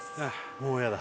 もう嫌だ。